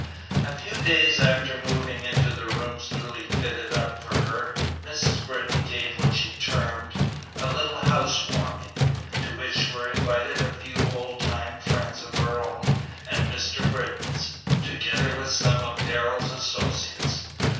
A few days after moving into the rooms newly fitted up for her Mrs. Britton gave what she termed "a little house warming," to which were invited a few old time friends of her own and Mr. Britton's, together with some of Darrell's associates.